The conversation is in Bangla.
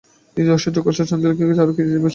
নিজের অসহ্য কষ্ট ও চাঞ্চল্যে চারু নিজে বিস্মিত।